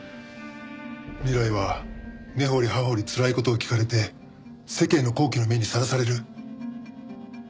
未来は根掘り葉掘りつらい事を聞かれて世間の好奇の目にさらされる。